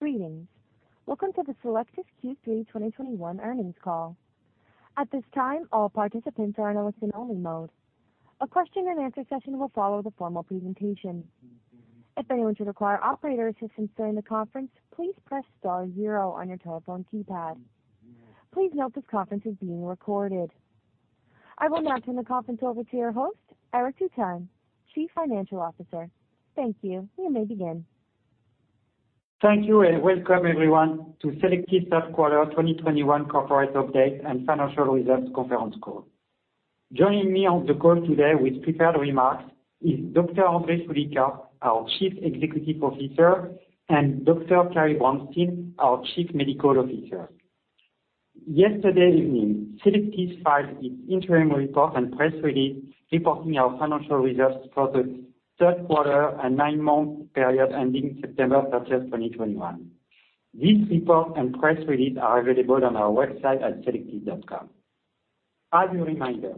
Greetings. Welcome to the Cellectis Q3 2021 earnings call. At this time, all participants are in a listen-only mode. A question-and-answer session will follow the formal presentation. If anyone should require operator assistance during the conference, please press star zero on your telephone keypad. Please note this conference is being recorded. I will now turn the conference over to your host, Arthur Stril, Chief Financial Officer. Thank you. You may begin. Thank you, and welcome everyone to Cellectis Q3 2021 corporate update and financial results conference call. Joining me on the call today with prepared remarks is Dr. André Choulika, our Chief Executive Officer, and Dr. Carrie Brownstein, our Chief Medical Officer. Yesterday evening, Cellectis filed its interim report and press release reporting our financial results for the Q3 and nine-month period ending September 30, 2021. This report and press release are available on our website at cellectis.com. As a reminder,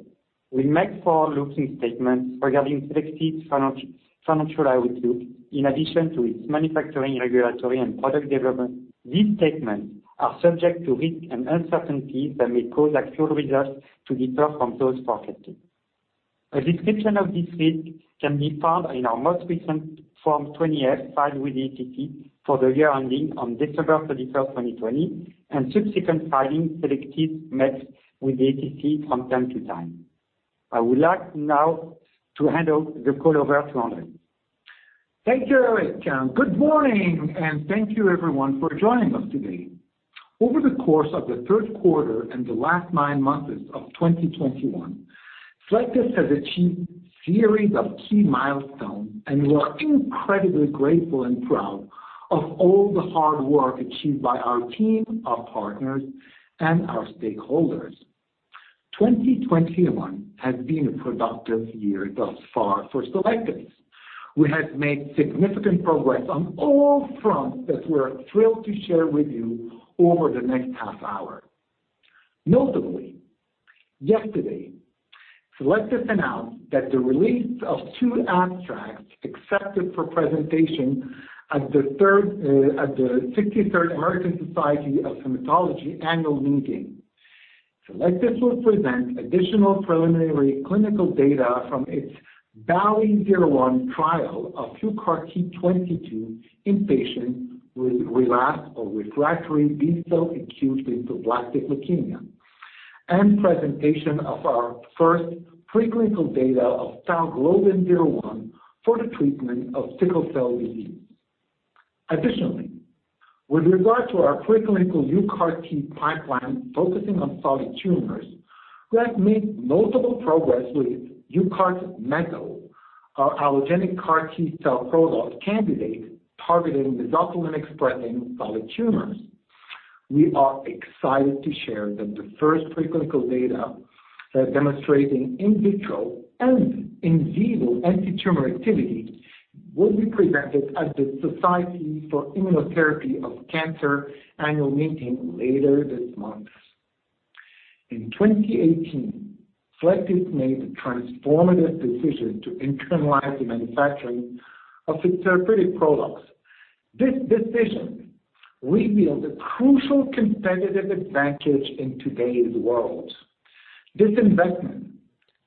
we make forward-looking statements regarding Cellectis financial outlook in addition to its manufacturing, regulatory, and product development. These statements are subject to risks and uncertainties that may cause actual results to differ from those forecasted. A description of these risks can be found in our most recent Form 20-F filed with the SEC for the year ending on December 31, 2020, and subsequent filings Cellectis makes with the SEC from time to time. I would like now to hand over the call to André Choulika. Thank you, Eric. Good morning, and thank you everyone for joining us today. Over the course of the Q3 and the last nine months of 2021, Cellectis has achieved series of key milestones, and we are incredibly grateful and proud of all the hard work achieved by our team, our partners, and our stakeholders. 2021 has been a productive year thus far for Cellectis. We have made significant progress on all fronts that we're thrilled to share with you over the next half hour. Notably, yesterday, Cellectis announced that the release of two abstracts accepted for presentation at the 63rd American Society of Hematology annual meeting. Cellectis will present additional preliminary clinical data from its BALLI-01 trial of UCART22 in patients with relapsed or refractory B-cell acute lymphoblastic leukemia, and presentation of our first preclinical data of TALGlobin-01 for the treatment of sickle cell disease. Additionally, with regard to our preclinical UCART pipeline focusing on solid tumors, we have made notable progress with UCARTMESO, our allogeneic CAR T-cell product candidate targeting the Mesothelin-expressing solid tumors. We are excited to share that the first preclinical data demonstrating in vitro and in vivo antitumor activity will be presented at the Society for Immunotherapy of Cancer annual meeting later this month. In 2018, Cellectis made the transformative decision to internalize the manufacturing of its therapeutic products. This decision revealed a crucial competitive advantage in today's world. This investment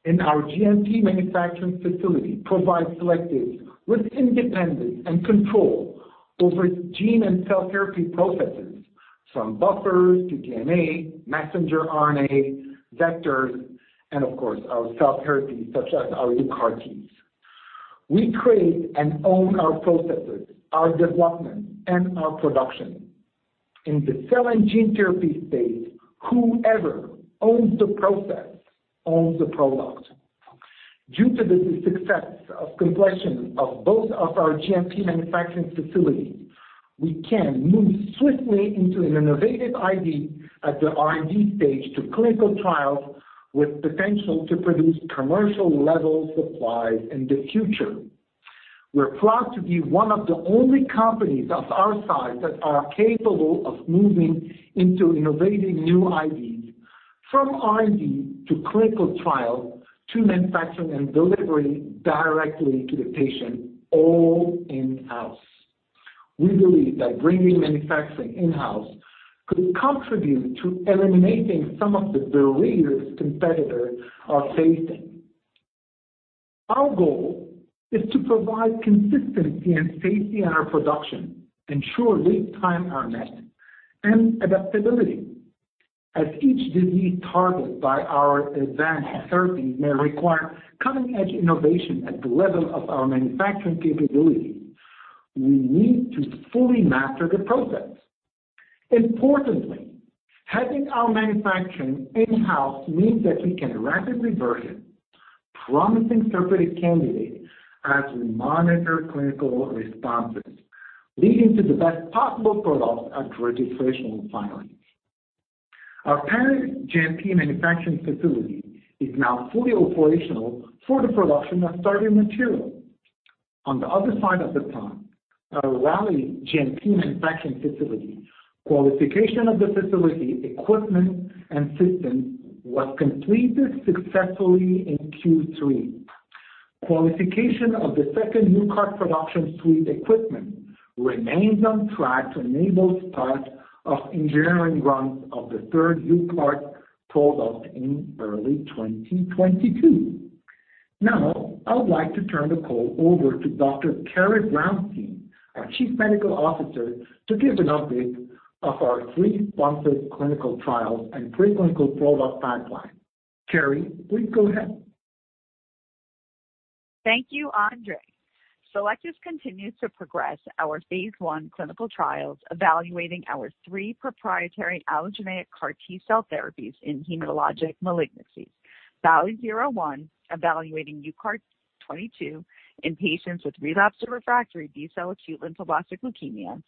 in our GMP manufacturing facility provides Cellectis with independence and control over gene and cell therapy processes from buffers to DNA, messenger RNA, vectors, and of course our cell therapies such as our UCARTs. We create and own our processes, our development, and our production. In the cell and gene therapy space, whoever owns the process owns the product. Due to the success of completion of both of our GMP manufacturing facilities, we can move swiftly into an innovative IND at the R&D stage to clinical trials with potential to produce commercial level supplies in the future. We're proud to be one of the only companies of our size that are capable of moving into innovating new INDs from R&D to clinical trials to manufacturing and delivery directly to the patient all in-house. We believe that bringing manufacturing in-house could contribute to eliminating some of the barriers competitors are facing. Our goal is to provide consistency and safety in our production, ensure lead time are met, and adaptability. As each disease targeted by our advanced therapy may require cutting-edge innovation at the level of our manufacturing capability, we need to fully master the process. Importantly, having our manufacturing in-house means that we can rapidly version promising therapeutic candidates as we monitor clinical responses, leading to the best possible products at registration and filings. Our Paris GMP manufacturing facility is now fully operational for the production of starting material. On the other side of the pond, our Raleigh GMP manufacturing facility, qualification of the facility, equipment, and systems was completed successfully in Q3. Qualification of the second UCART production suite equipment remains on track to enable start of engineering runs of the third UCART product in early 2022. Now, I would like to turn the call over to Dr. Carrie Brownstein, our Chief Medical Officer, to give an update of our three sponsored clinical trials and preclinical product pipeline. Carrie, please go ahead. Thank you, André. Cellectis continues to progress our phase I clinical trials evaluating our three proprietary allogeneic CAR T-cell therapies in hematologic malignancies. BALLI-01, evaluating UCART22 in patients with relapsed refractory B-cell acute lymphoblastic leukemia.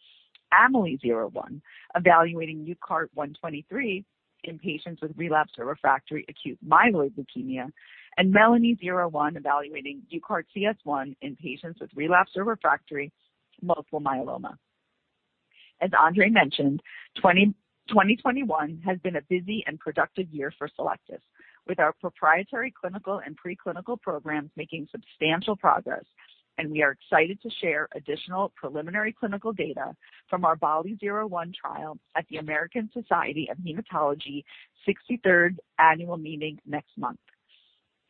AMELI-01, evaluating UCART123 in patients with relapsed or refractory acute myeloid leukemia. MELANI-01 evaluating UCARTCS1 in patients with relapsed or refractory multiple myeloma. As André mentioned, 2021 has been a busy and productive year for Cellectis, with our proprietary clinical and pre-clinical programs making substantial progress. We are excited to share additional preliminary clinical data from our BALLI-01 trial at the American Society of Hematology 63rd Annual Meeting next month.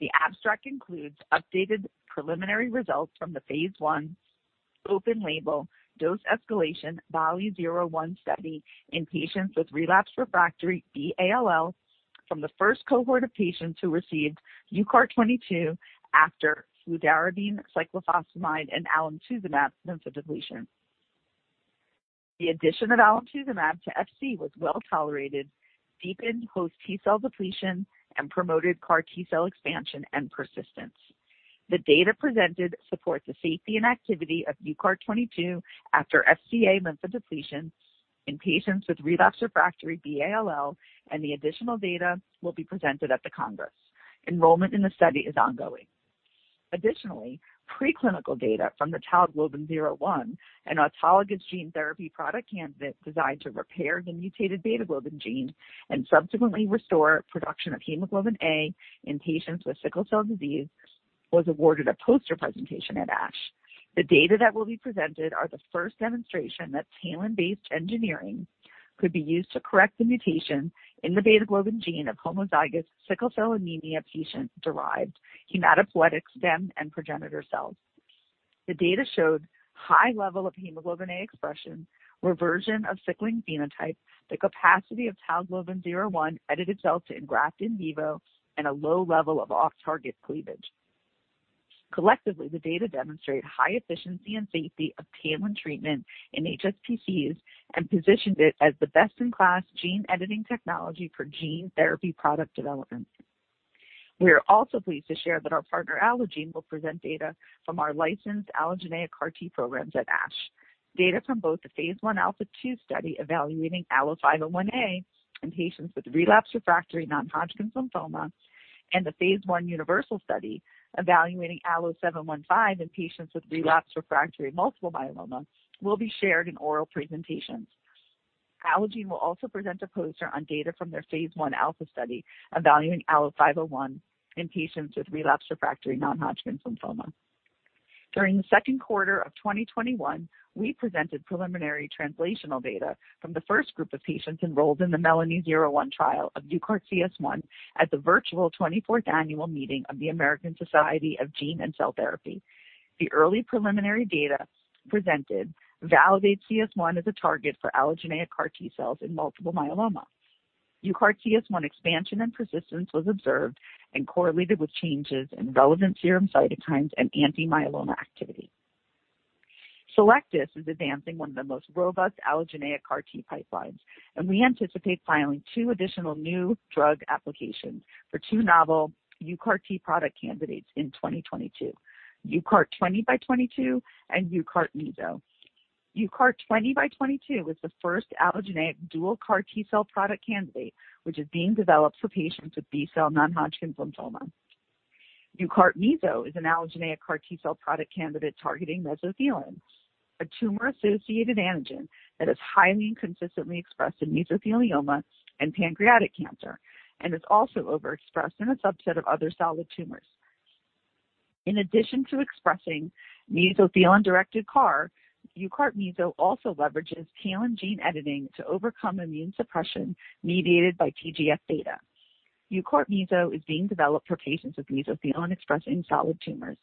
The abstract includes updated preliminary results from the phase I open-label dose escalation BALLI-01 study in patients with relapsed/refractory B-ALL from the first cohort of patients who received UCART22 after fludarabine, cyclophosphamide, and alemtuzumab lymphodepletion. The addition of alemtuzumab to FC was well tolerated, deepened post-T-cell depletion, and promoted CAR T-cell expansion and persistence. The data presented supports the safety and activity of UCART22 after FCA lymphodepletion in patients with relapsed/refractory B-ALL, and the additional data will be presented at the congress. Enrollment in the study is ongoing. Additionally, preclinical data from the TALGlobin01, an autologous gene therapy product candidate designed to repair the mutated beta globin gene and subsequently restore production of hemoglobin A in patients with sickle cell disease, was awarded a poster presentation at ASH. The data that will be presented are the first demonstration that TALEN-based engineering could be used to correct the mutation in the beta globin gene of homozygous sickle cell anemia patient-derived hematopoietic stem and progenitor cells. The data showed high level of hemoglobin A expression, reversion of sickling phenotype, the capacity of TALGlobin01 edited cells to engraft in vivo, and a low level of off-target cleavage. Collectively, the data demonstrate high efficiency and safety of TALEN treatment in HSPCs and positions it as the best-in-class gene editing technology for gene therapy product development. We are also pleased to share that our partner Allogene will present data from our licensed allogeneic CAR T programs at ASH. Data from both the phase I ALPHA2 study evaluating ALLO-501A in patients with relapsed/refractory non-Hodgkin lymphoma and the phase I UNIVERSAL study evaluating ALLO-715 in patients with relapsed/refractory multiple myeloma will be shared in oral presentations. Allogene will also present a poster on data from their phase I ALPHA study evaluating ALLO-501 in patients with relapsed/refractory non-Hodgkin lymphoma. During the second quarter of 2021, we presented preliminary translational data from the first group of patients enrolled in the MELANI-01 trial of UCARTCS1 at the virtual 24th annual meeting of the American Society of Gene & Cell Therapy. The early preliminary data presented validates CS1 as a target for allogeneic CAR T cells in multiple myeloma. UCARTCS1 expansion and persistence was observed and correlated with changes in relevant serum cytokines and anti-myeloma activity. Cellectis is advancing one of the most robust allogeneic CAR T pipelines, and we anticipate filing two additional new drug applications for two novel UCART product candidates in 2022. UCART20x22 and UCARTMESO. UCART20x22 is the first allogeneic dual CAR T-cell product candidate, which is being developed for patients with B-cell non-Hodgkin lymphoma. UCARTMESO is an allogeneic CAR T-cell product candidate targeting Mesothelin, a tumor-associated antigen that is highly and consistently expressed in Mesothelioma and pancreatic cancer and is also overexpressed in a subset of other solid tumors. In addition to expressing Mesothelin-directed CAR, UCARTMESO also leverages TALEN gene editing to overcome immune suppression mediated by TGF-beta. UCARTMESO is being developed for patients with Mesothelin expressing solid tumors.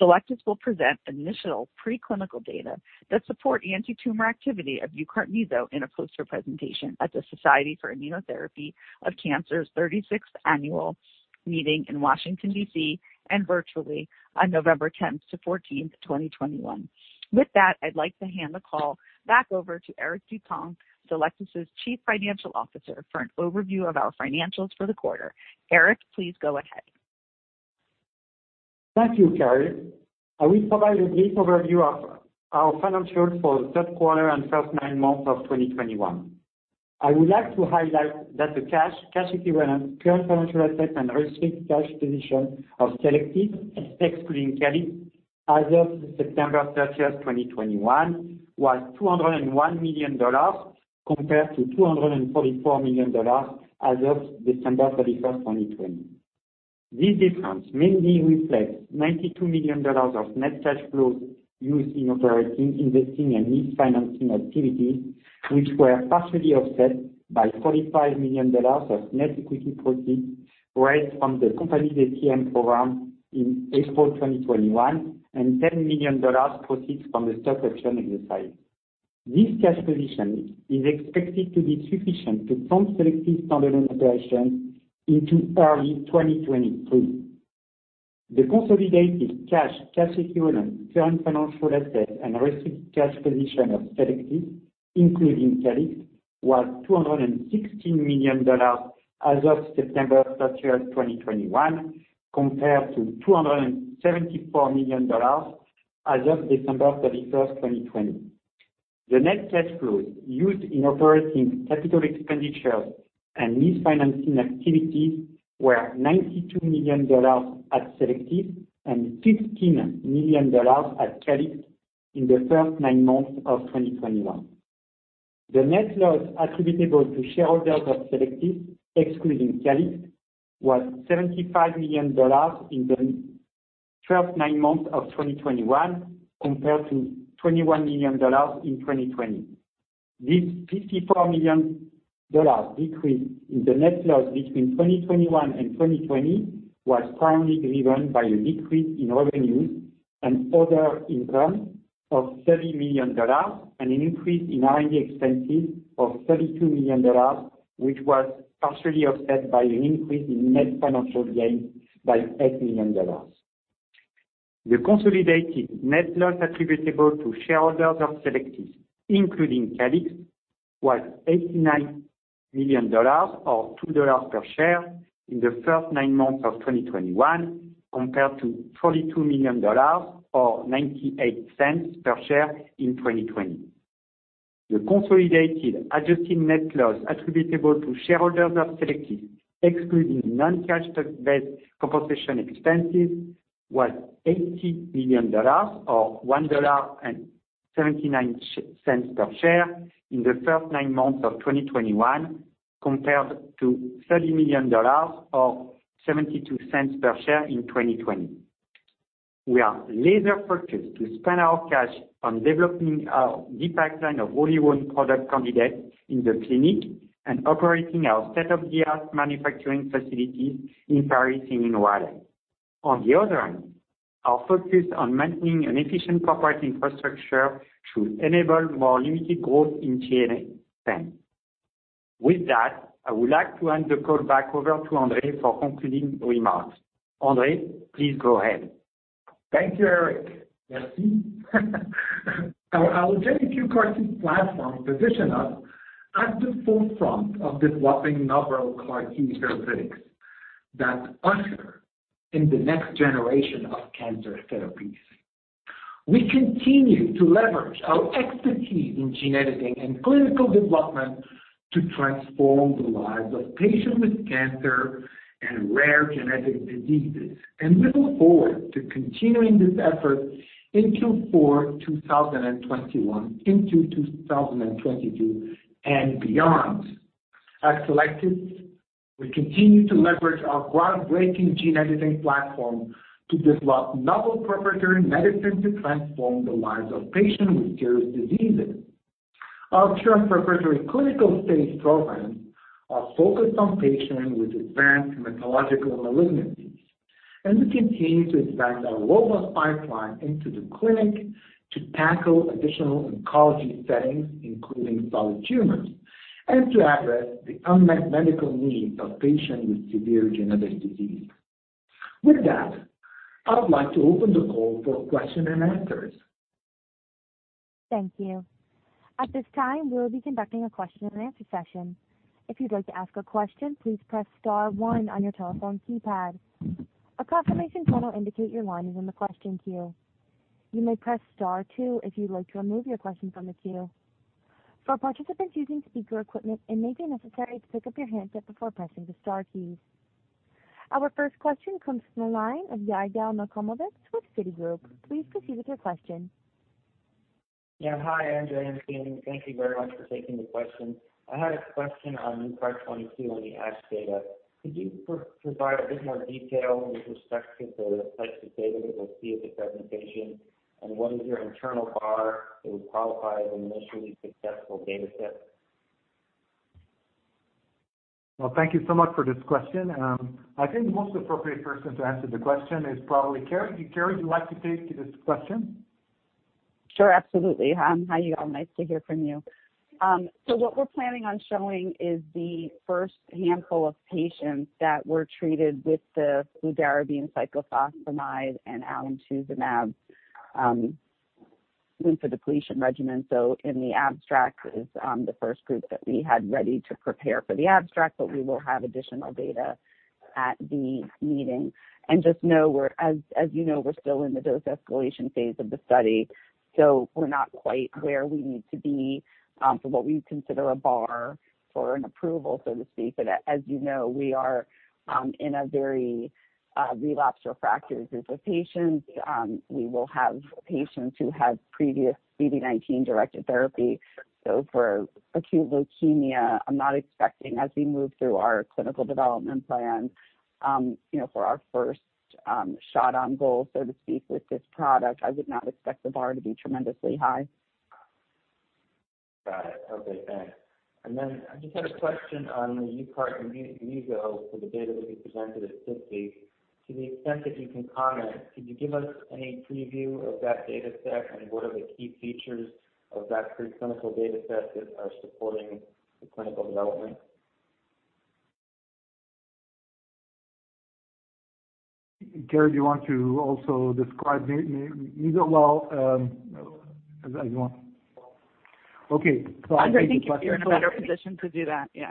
Cellectis will present initial pre-clinical data that support antitumor activity of UCARTMESO in a poster presentation at the Society for Immunotherapy of Cancer's 36th annual meeting in Washington, D.C. and virtually on November 10th to 14th, 2021. With that, I'd like to hand the call back over to Eric Dutang, Cellectis' Chief Financial Officer, for an overview of our financials for the quarter. Eric, please go ahead. Thank you, Carrie. I will provide a brief overview of our financials for the Q3 and first nine months of 2021. I would like to highlight that the cash equivalents, current financial assets, and restricted cash position of Cellectis, excluding Calyxt as of September 30, 2021, was $201 million compared to $244 million as of December 31, 2020. This difference mainly reflects $92 million of net cash flows used in operating, investing, and lease financing activities, which were partially offset by $45 million of net equity proceeds raised from the company's ATM program in April 2021 and $10 million proceeds from the stock option exercise. This cash position is expected to be sufficient to fund Cellectis's standard operations into early 2023. The consolidated cash equivalents, current financial assets, and restricted cash position of Cellectis, including Calyxt, was $216 million as of September 30th, 2021, compared to $274 million as of December 31, 2020. The net cash flows used in operating capital expenditures and lease financing activities were $92 million at Cellectis and $15 million at Calyxt in the first nine months of 2021. The net loss attributable to shareholders of Cellectis, excluding Calyxt, was $75 million in the first nine months of 2021 compared to $21 million in 2020. This $54 million decrease in the net loss between 2021 and 2020 was primarily driven by a decrease in revenues and other income of $30 million and an increase in R&D expenses of $32 million, which was partially offset by an increase in net financial gain by $8 million. The consolidated net loss attributable to shareholders of Cellectis, including Calyxt, was $89 million, or $2 per share, in the first nine months of 2021 compared to $42 million, or $0.98 per share in 2020. The consolidated adjusted net loss attributable to shareholders of Cellectis, excluding non-cash stock-based compensation expenses, was $80 million, or $1.79 per share, in the first nine months of 2021 compared to $30 million, or $0.72 per share in 2020. We are laser-focused to spend our cash on developing our deep pipeline of early-stage product candidates in the clinic and operating our state-of-the-art manufacturing facilities in Paris and in Raleigh. Our focus on maintaining an efficient corporate infrastructure should enable more limited growth in G&A spend. With that, I would like to hand the call back over to André for concluding remarks. André, please go ahead. Thank you, Eric. Merci. Our allogeneic CAR T platform positions us at the forefront of developing novel CAR T therapeutics that usher in the next generation of cancer therapies. We continue to leverage our expertise in gene editing and clinical development to transform the lives of patients with cancer and rare genetic diseases. We look forward to continuing this effort into 2021, into 2022, and beyond. At Cellectis, we continue to leverage our groundbreaking gene editing platform to develop novel proprietary medicines to transform the lives of patients with serious diseases. Our current proprietary clinical-stage programs are focused on patients with advanced hematological malignancies. We continue to advance our robust pipeline into the clinic to tackle additional oncology settings, including solid tumors, and to address the unmet medical needs of patients with severe genetic diseases. With that, I would like to open the call for questions and answers. Thank you. At this time, we will be conducting a question and answer session. If you'd like to ask a question, please press star one on your telephone keypad. A confirmation tone will indicate your line is in the question queue. You may press star two if you'd like to remove your question from the queue. For participants using speaker equipment, it may be necessary to pick up your handset before pressing the star keys. Our first question comes from the line of Yigal Nochomovitz with Citigroup. Please proceed with your question. Yeah. Hi, André and team. Thank you very much for taking the question. I had a question on UCART22 on the ASH data. Could you provide a bit more detail with respect to the types of data that we'll see at the presentation? And what is your internal bar that would qualify as an initially successful data set? Well, thank you so much for this question. I think the most appropriate person to answer the question is probably Carrie. Carrie, would you like to take this question? Sure. Absolutely. Hi, Yigal. Nice to hear from you. What we're planning on showing is the first handful of patients that were treated with the fludarabine, cyclophosphamide, and alemtuzumab lymphodepletion regimen. In the abstract is the first group that we had ready to prepare for the abstract, but we will have additional data at the meeting. Just know we're—as you know, we're still in the dose escalation phase of the study, so we're not quite where we need to be for what we consider a bar for an approval, so to speak. As you know, we are in a very relapsed or refractory group of patients. We will have patients who had previous CD19 directed therapy. For acute leukemia, I'm not expecting as we move through our clinical development plan, you know, for our first shot on goal, so to speak, with this product, I would not expect the bar to be tremendously high. Got it. Okay, thanks. I just had a question on the UCARTMESO for the data that you presented at SITC. To the extent that you can comment, could you give us any preview of that data set and what are the key features of that preclinical data set that are supporting the clinical development? Carrie, do you want to also describe UCARTMESO? Well, as you want. Okay. I think André, I think you're in a better position to do that. Yeah.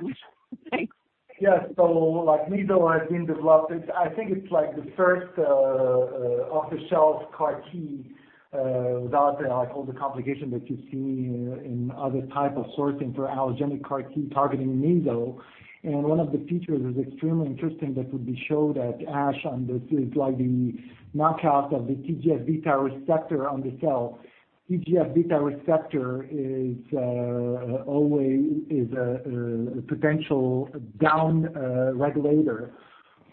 Thanks. Yeah. Like MESO has been developed. I think it's like the first off-the-shelf CAR T without like all the complication that you see in other type of sourcing for allogeneic CAR T targeting MESO. One of the features is extremely interesting that would be showed at ASH, and this is like the knockout of the TGF-beta receptor on the cell. TGF-beta receptor is always a potential down regulator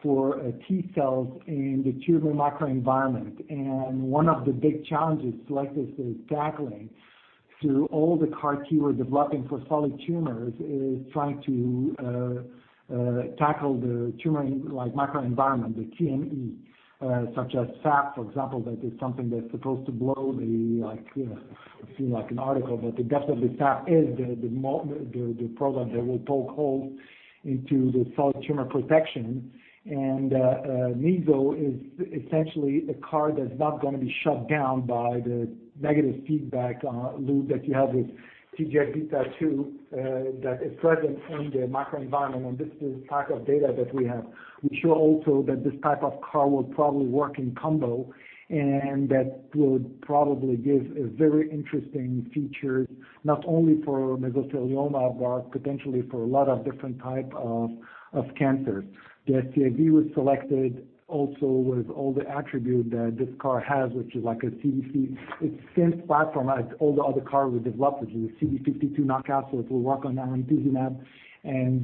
for T-cells in the tumor microenvironment. One of the big challenges Cellectis is tackling through all the CAR T we're developing for solid tumors is trying to tackle the tumor microenvironment, the TME, such as CAF, for example, that is something that's supposed to blow the, like, you know, I've seen like an article that the depth of the CAF is the product that will poke holes into the solid tumor protection. MESO is essentially a CAR that's not going to be shut down by the negative feedback loop that you have with TGF-β that is present in the microenvironment. This is type of data that we have. We show also that this type of CAR will probably work in combo, and that will probably give a very interesting feature not only for Mesothelioma, but potentially for a lot of different type of cancer. The SCID was selected also with all the attribute that this CAR has, which is like a CDC. It's same platform as all the other CAR we developed, which is a CD52 knockout, so it will work on our nivolumab and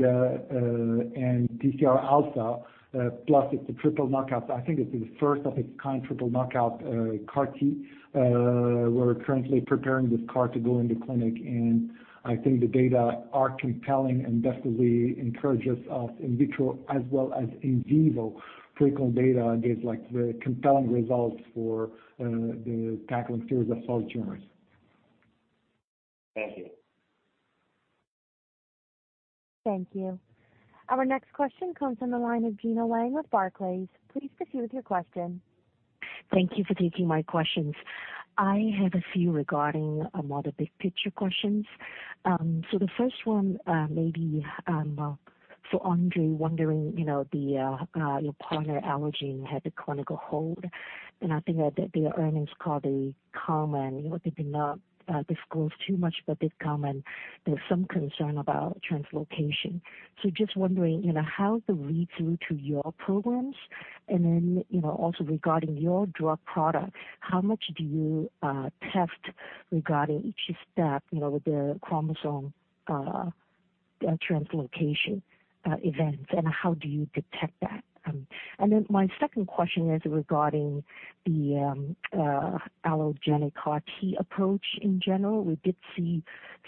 TCR alpha, plus it's a triple knockout. I think it's the first of its kind triple knockout CAR T. We're currently preparing this CAR to go into clinic, and I think the data are compelling and definitely encourages us in vitro as well as in vivo frequent data gives like very compelling results for the tackling series of solid tumors. Thank you. Thank you. Our next question comes from the line of Gena Wang with Barclays. Please proceed with your question. Thank you for taking my questions. I have a few regarding on the big picture questions. So the first one, maybe for André wondering, you know, the your partner Allogene had the clinical hold, and I think that the earnings call, they comment. They did not disclose too much, but they've come, and there's some concern about translocation. So just wondering, you know, how does it read through to your programs? And then, you know, also regarding your drug product, how much do you test regarding each step, you know, with the chromosome translocation events, and how do you detect that? And then my second question is regarding the allogeneic CAR T approach in general. We did see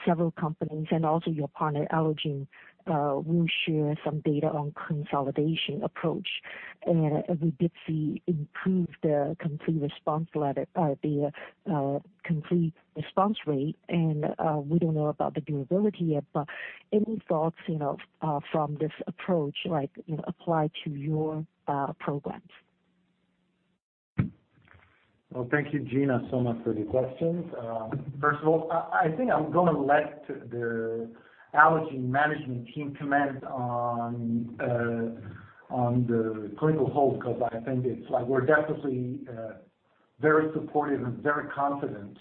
several companies and also your partner, Allogene, will share some data on consolidation approach. We did see improved complete response rate. We don't know about the durability yet, but any thoughts, you know, from this approach, like, you know, apply to your programs? Well, thank you Gena so much for the questions. First of all, I think I'm going to let the Allogene management team comment on the clinical hold because I think it's like we're definitely very supportive and very confident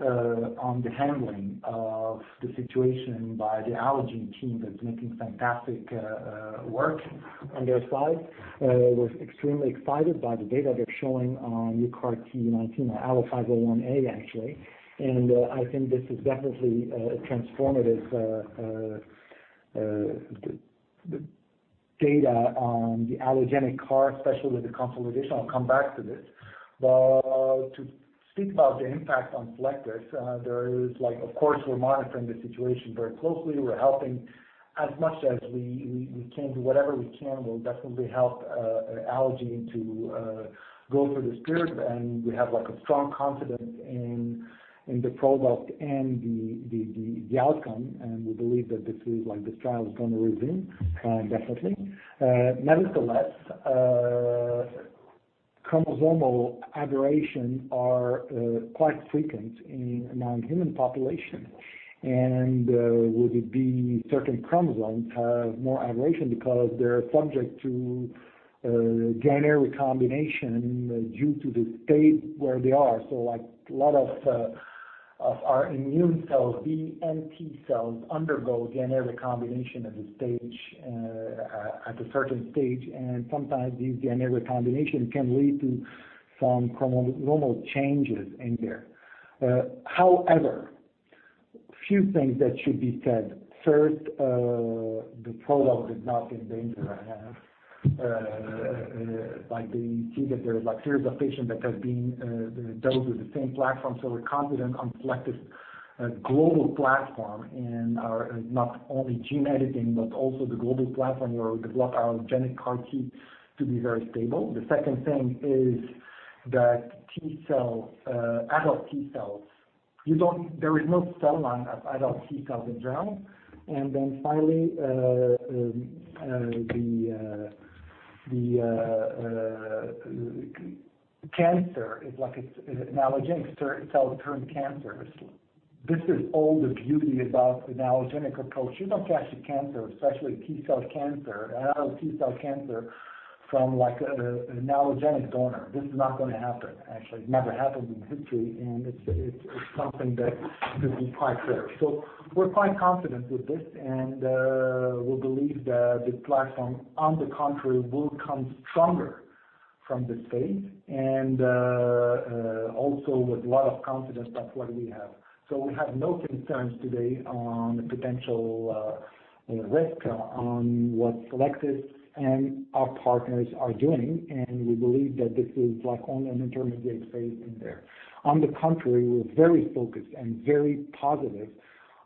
on the handling of the situation by the Allogene team that's making fantastic work on their side. We're extremely excited by the data they're showing on UCART19, or ALLO-501A, actually. I think this is definitely a transformative data on the allogeneic CAR, especially the consolidation. I'll come back to this. To speak about the impact on Cellectis, there is like of course, we're monitoring the situation very closely. We're helping as much as we can. Do whatever we can. We'll definitely help Allogene to go for this period, and we have like a strong confidence in the product and the outcome, and we believe that this trial is going to resume definitely. Nevertheless, chromosomal aberrations are quite frequent in the human population. Would it be certain chromosomes have more aberrations because they're subject to genetic recombination due to the state where they are. So like a lot of our immune cells, B and T cells undergo genetic recombination at a certain stage. Sometimes these genetic recombination can lead to some chromosomal changes in there. However, few things that should be said. First, the product is not in danger. Like the team that there's like series of patients that have been dosed with the same platform. We're confident in Cellectis' global platform and are not only gene editing, but also the global platform where we develop our allogeneic CAR T to be very stable. The second thing is that T cell adult T cells, there is no cell line of adult T cells in general. Then finally, the cancer is like it's an allogeneic cell turned cancer. This is all the beauty about an allogeneic approach. You don't catch a cancer, especially T cell cancer, adult T cell cancer from like an allogeneic donor. This is not going to happen. Actually, it never happened in history, and it's something that could be quite rare. We're quite confident with this and we believe that the platform on the contrary will come stronger from this phase and also with a lot of confidence that's what we have. We have no concerns today on the potential risk on what Cellectis and our partners are doing. We believe that this is like only an intermediate phase in there. On the contrary, we're very focused and very positive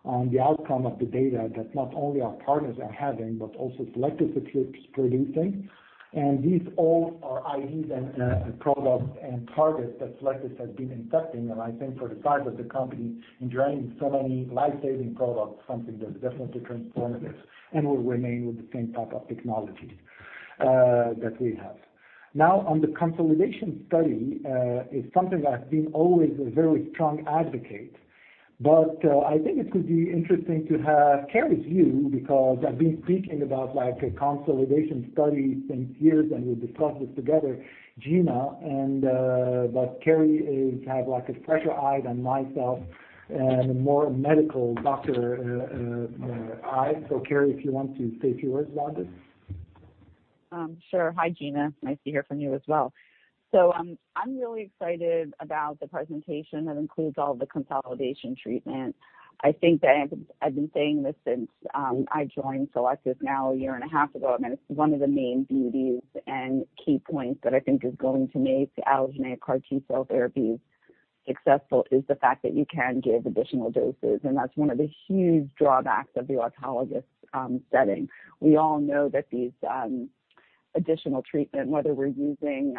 on the outcome of the data that not only our partners are having but also Cellectis is producing. These all are INDs and products and targets that Cellectis has been investing, and I think for the size of the company in driving so many life-saving products, something that's definitely transformative and will remain with the same type of technology that we have. Now, on the consolidation study, it is something that I've been always a very strong advocate. I think it could be interesting to have Carrie's view because I've been speaking about like a consolidation study since years, and we've discussed this together, Gena. But Carrie has like a fresher eye than myself and more medical doctor eye. Carrie, if you want to say a few words about this. Sure. Hi, Gena. Nice to hear from you as well. I'm really excited about the presentation that includes all the consolidation treatment. I think that I've been saying this since I joined Cellectis just now a year and a half ago. I mean, it's one of the main beauties and key points that I think is going to make allogeneic CAR T-cell therapies successful is the fact that you can give additional doses, and that's one of the huge drawbacks of the autologous setting. We all know that these additional treatment, whether we're using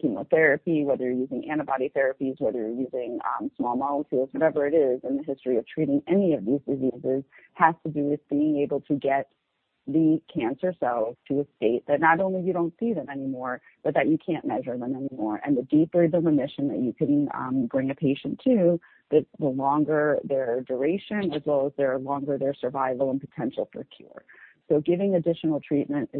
chemotherapy, whether you're using antibody therapies, whether you're using small molecules, whatever it is in the history of treating any of these diseases, has to do with being able to get the cancer cells to a state that not only you don't see them anymore, but that you can't measure them anymore. The deeper the remission that you can bring a patient to, the longer their duration, as well as their longer survival and potential for cure. Giving additional treatment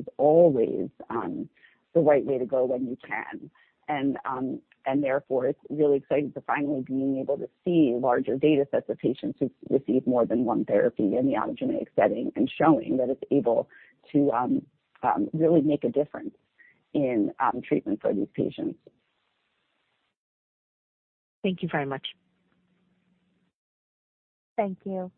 is always the right way to go when you can. Therefore, it's really exciting to finally being able to see larger data sets of patients who've received more than one therapy in the allogeneic setting and showing that it's able to really make a difference in treatment for these patients. Thank you very much. Thank you.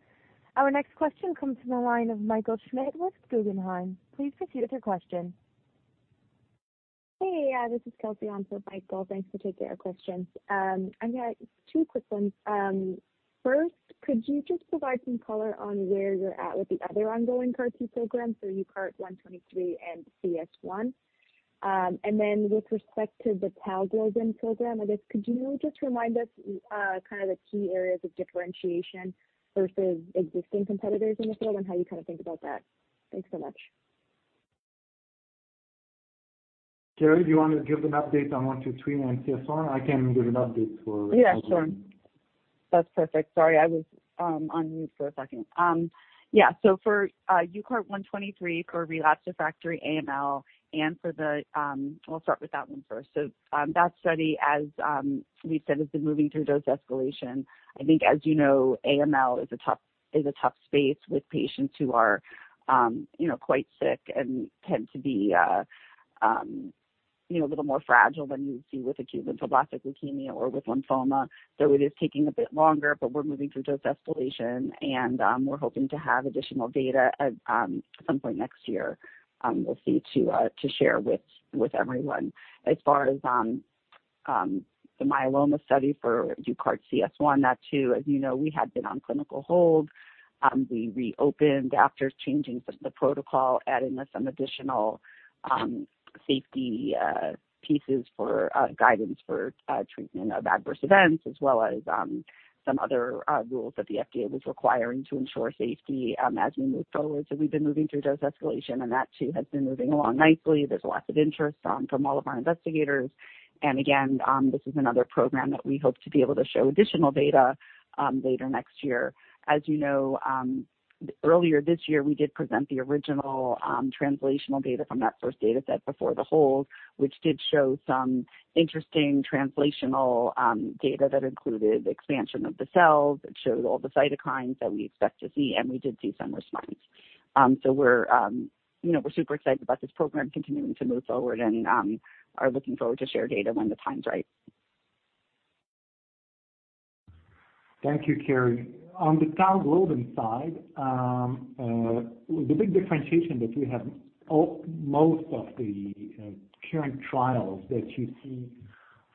Our next question comes from the line of Michael Schmidt with Guggenheim. Please proceed with your question. Hey, this is Kelsey on for Michael. Thanks for taking our question. I got two quick ones. First, could you just provide some color on where you're at with the other ongoing CAR-T program, so UCART123 and CS1? And then with respect to the TALGlobin program, I guess could you just remind us, kind of the key areas of differentiation versus existing competitors in the field and how you kind of think about that? Thanks so much. Carrie, do you want to give an update on 123 and CS1? I can give an update. Yeah, sure. That's perfect. Sorry, I was on mute for a second. Yeah. For UCART123 for relapsed/refractory AML, and for the. I'll start with that one first. That study, as we said, has been moving through dose escalation. I think as you know, AML is a tough space with patients who are, you know, quite sick and tend to be, you know, a little more fragile than you would see with acute lymphoblastic leukemia or with lymphoma. It is taking a bit longer, but we're moving through dose escalation and we're hoping to have additional data at some point next year, we'll see to share with everyone. As far as the myeloma study for UCARTCS1, that too, as you know, we had been on clinical hold. We reopened after changing some of the protocol, adding some additional safety pieces for guidance for treatment of adverse events, as well as some other rules that the FDA was requiring to ensure safety as we move forward. We've been moving through dose escalation, and that too has been moving along nicely. There's lots of interest from all of our investigators. Again, this is another program that we hope to be able to show additional data later next year. As you know, earlier this year, we did present the original translational data from that first dataset before the hold, which did show some interesting translational data that included expansion of the cells. It showed all the cytokines that we expect to see, and we did see some response. We're, you know, super excited about this program continuing to move forward and are looking forward to share data when the time's right. Thank you, Carrie. On the TALGlobin side, the big differentiation that we have, most of the current trials that you see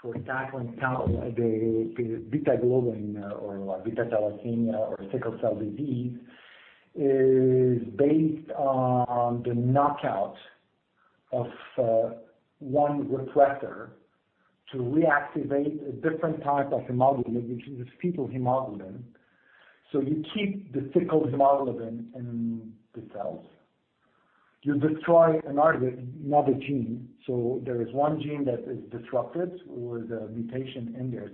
for tackling the beta globin or beta thalassemia or sickle cell disease, is based on the knockout of one repressor to reactivate a different type of hemoglobin, which is fetal hemoglobin. You keep the sickle hemoglobin in the cells. You destroy another gene. There is one gene that is disrupted with a mutation in there,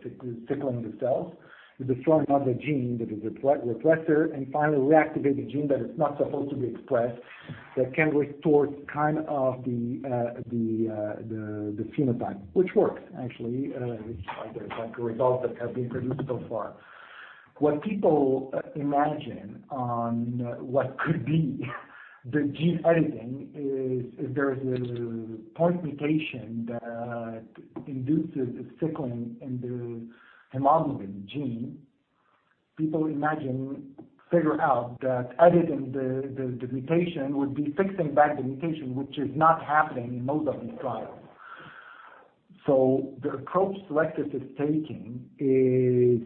sickling the cells. You destroy another gene that is a repressor, and finally reactivate the gene that is not supposed to be expressed, that can restore the phenotype, which works actually, which are the results that have been produced so far. What people imagine on what could be the gene editing is, if there is a point mutation that induces the sickling in the hemoglobin gene. People imagine figure out that editing the mutation would be fixing back the mutation, which is not happening in most of these trials. The approach Cellectis is taking is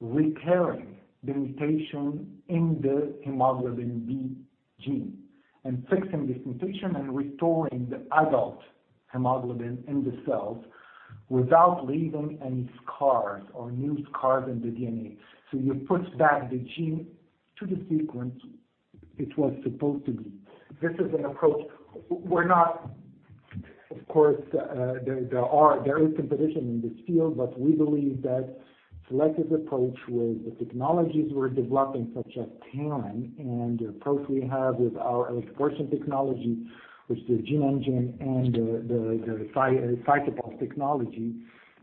repairing the mutation in the beta globin gene and fixing this mutation and restoring the adult hemoglobin in the cells without leaving any scars or new scars in the DNA. You put back the gene to the sequence it was supposed to be. Of course, there is competition in this field, but we believe that selected approach with the technologies we're developing, such as TALEN and the approach we have with our exortion technology, which is gene editing and the cytopath technology,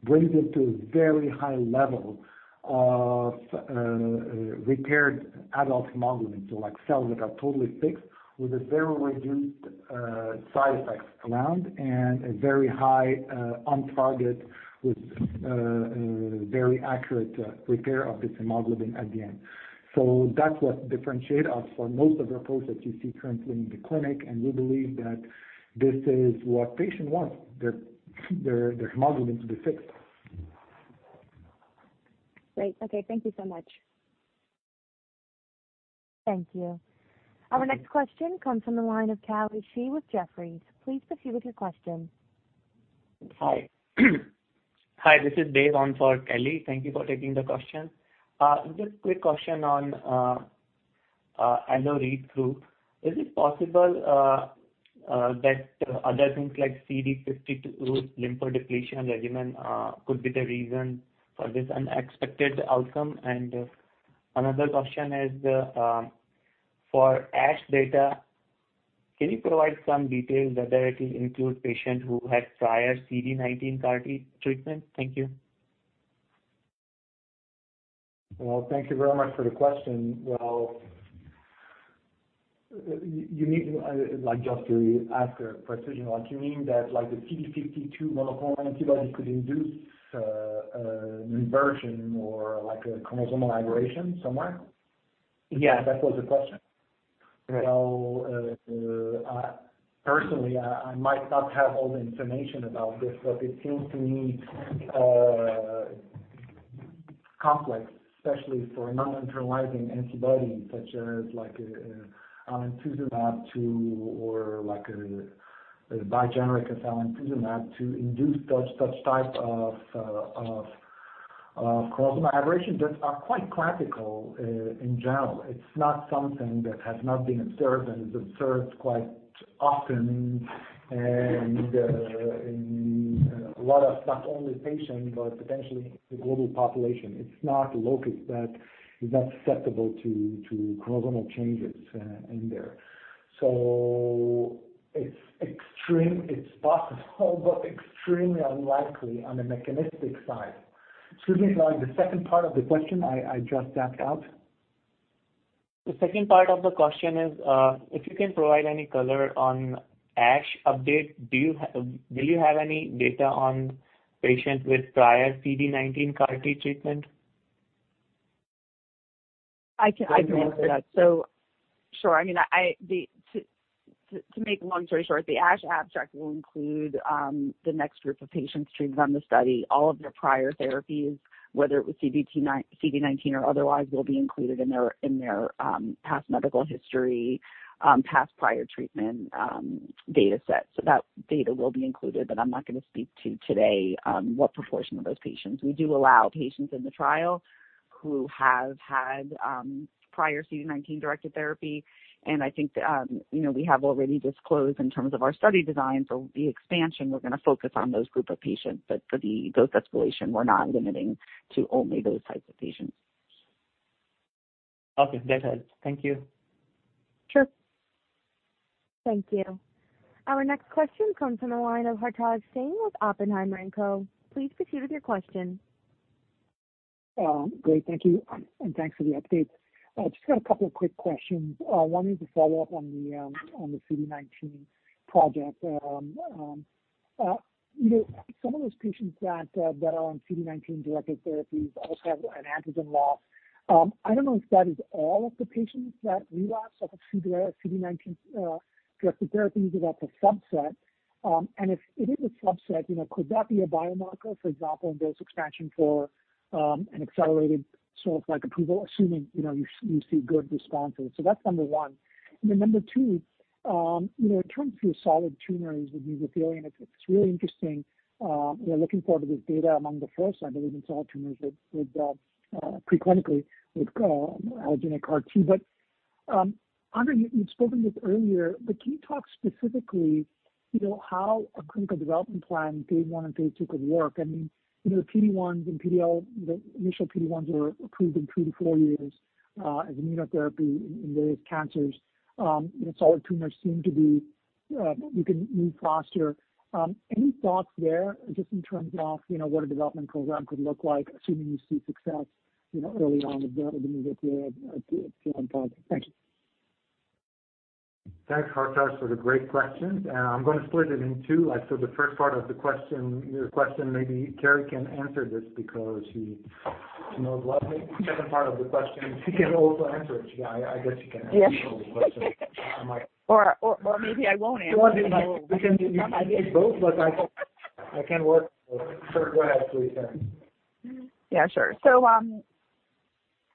brings it to a very high level of repaired adult hemoglobin. Like cells that are totally fixed with a very reduced side effects around and a very high on target with very accurate repair of this hemoglobin at the end. That's what differentiate us from most of the approaches you see currently in the clinic, and we believe that this is what patient wants, their hemoglobin to be fixed. Great. Okay, thank you so much. Thank you. Our next question comes from the line of Kelly Shi with Jefferies. Please proceed with your question. Hi, this is Devon for Kelly. Thank you for taking the question. Just quick question on allo read-through. Is it possible that other things like CD52 lymphodepletion regimen could be the reason for this unexpected outcome? Another question is for ASH data, can you provide some details whether it includes patients who had prior CD19 CAR T treatment? Thank you. Well, thank you very much for the question. Well, like, just to ask a precision. Like, you mean that, like the CD52 monoclonal antibody could induce an inversion or like a chromosomal aberration somewhere? Yeah. That was the question. Right. Well, personally, I might not have all the information about this, but it seems to me complex, especially for a non-internalizing antibody such as like alemtuzumab, too, or like a bispecific as alemtuzumab to induce such type of chromosomal aberrations that are quite classical in general. It's not something that has not been observed and is observed quite often and in a lot of not only patients, but potentially the global population. It's not a locus that is not susceptible to chromosomal changes in there. It's extreme. It's possible, but extremely unlikely on the mechanistic side. Excuse me, like the second part of the question I just blacked out. The second part of the question is, if you can provide any color on ASH update. Do you have any data on patients with prior CD19 CAR T treatment? I can answer that. Sure. I mean, to make a long story short, the ASH abstract will include the next group of patients treated on the study, all of their prior therapies, whether it was CD19 or otherwise, will be included in their past medical history, prior treatment data set. That data will be included, but I'm not going to speak to today on what proportion of those patients. We do allow patients in the trial who have had prior CD19-directed therapy. I think, you know, we have already disclosed in terms of our study design. The expansion, we're going to focus on those group of patients, but for the dose escalation, we're not limiting to only those types of patients. Okay. That helps. Thank you. Sure. Thank you. Our next question comes from the line of Hartaj Singh with Oppenheimer & Co. Please proceed with your question. Great. Thank you, and thanks for the update. I just got a couple of quick questions. One is a follow-up on the CD19 project. You know, some of those patients that are on CD19-directed therapies also have an antigen loss. I don't know if that is all of the patients that relapse off of CD19 directed therapies or that's a subset. And if it is a subset, you know, could that be a biomarker, for example, in dose expansion for an accelerated sort of like approval, assuming, you know, you see good response rates. That's number one. Number two, you know, in terms of solid tumors with Mesothelin, it's really interesting, you know, looking forward to this data among the first, I believe, in solid tumors with preclinically with allogeneic CAR T. André, you'd spoken this earlier, but can you talk specifically, you know, how a clinical development plan, phase I and phase II could work? I mean, you know, the PD-1s and PD-L1, the initial PD-1s were approved in two to four years, as immunotherapy in various cancers. You know, solid tumors seem to be you can move faster. Any thoughts there just in terms of, you know, what a development program could look like, assuming you see success, you know, early on with the Mesothelin cell type? Thank you. Thanks, Hartaj, for the great questions. I'm going to split it in two. Like, the first part of the question, your question, maybe Carrie can answer this because she knows a lot. The second part of the question, she can also answer it. I guess she can answer. Yeah. Both questions. I'm like Maybe I won't answer it. She wants it like we can do either both, but I can work. Go ahead please, then.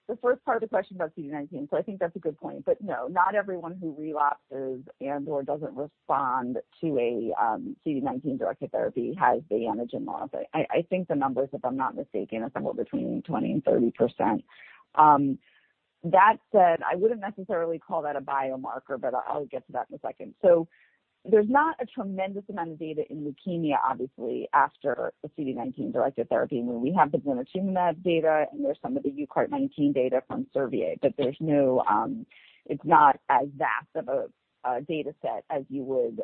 Yeah, sure. The first part of the question about CD19. I think that's a good point, but no, not everyone who relapses and/or doesn't respond to a CD19 directed therapy has the antigen loss. I think the numbers, if I'm not mistaken, is somewhere between 20%-30%. That said, I wouldn't necessarily call that a biomarker, but I'll get to that in a second. There's not a tremendous amount of data in leukemia, obviously, after a CD19-directed therapy. I mean, we have the blinatumomab data, and there's some of the UCART19 data from Servier. But there's no, it's not as vast of a data set as you would,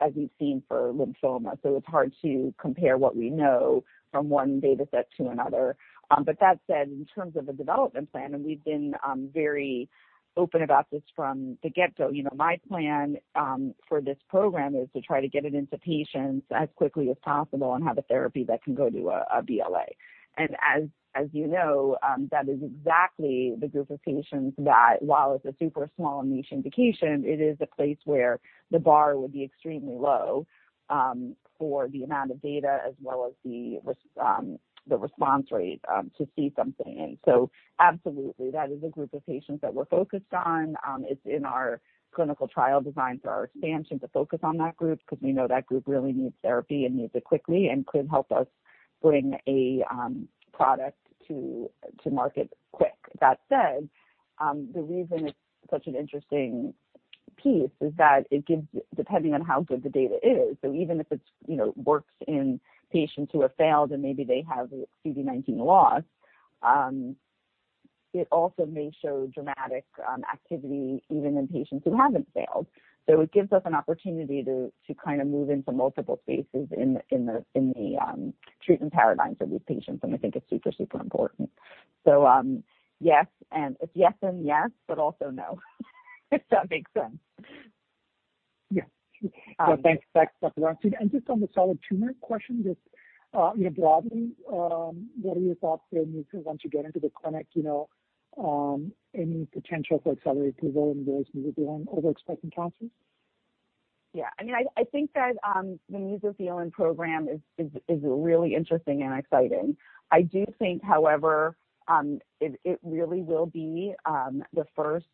as we've seen for lymphoma. It's hard to compare what we know from one data set to another. That said, in terms of a development plan, and we've been very open about this from the get-go. You know, my plan for this program is to try to get it into patients as quickly as possible and have a therapy that can go to a BLA. As you know, that is exactly the group of patients that while it's a super small niche indication, it is a place where the bar would be extremely low for the amount of data as well as the response rate to see something. Absolutely that is a group of patients that we're focused on. It's in our clinical trial design for our expansion to focus on that group 'cause we know that group really needs therapy and needs it quickly and could help us bring a product to market quick. That said, the reason it's such an interesting piece is that it gives, depending on how good the data is. Even if it's, you know, works in patients who have failed and maybe they have CD19 loss, it also may show dramatic activity even in patients who haven't failed. It gives us an opportunity to kind of move into multiple spaces in the treatment paradigms of these patients, and I think it's super important. Yes, and it's yes and yes, but also no if that makes sense. Yeah. Thanks. That's clear. Just on the solid tumor question, just, you know, broadly, what are your thoughts there? You know, once you get into the clinic, you know, any potential for accelerated approval in those Mesothelin overexpression cancers? Yeah. I mean, I think that the Mesothelin program is really interesting and exciting. I do think, however, it really will be the first